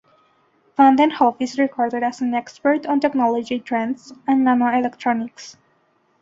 Van den hove is regarded as an expert on technology trends and nano electronics.